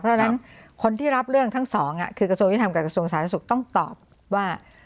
เพราะฉะนั้นคนที่รับเรื่องทั้งสองคือกระทรวงยุทธรรมกับกระทรวงสาธารณสุขต้องตอบว่า